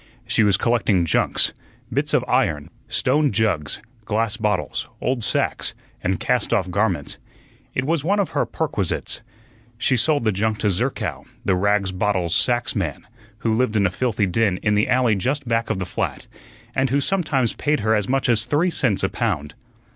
She was collecting junks, bits of iron, stone jugs, glass bottles, old sacks, and cast off garments. It was one of her perquisites. She sold the junk to Zerkow, the rags bottles sacks man, who lived in a filthy den in the alley just back of the flat, and who sometimes paid her as much as three cents a pound.